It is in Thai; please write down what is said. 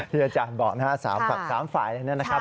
ที่อาจารย์บอกนะฮะสามฝ่ายนะครับ